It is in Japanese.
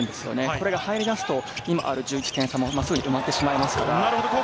これが入りだすと、今ある１１点差もすぐに埋まってしまいます。